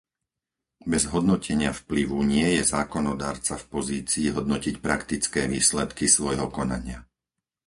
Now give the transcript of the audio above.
Bez hodnotenia vplyvu nie je zákonodarca v pozícii hodnotiť praktické výsledky svojho konania.